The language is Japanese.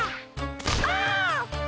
ああ！